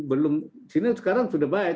sehingga sekarang sudah baik